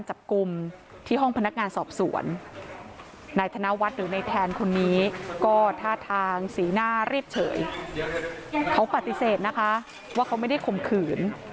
สีหน้าเรียบเฉยเขาปฏิเสธนะคะว่าเขาไม่ได้ข่มขืน